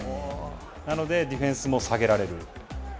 なのでディフェンスも下げられる。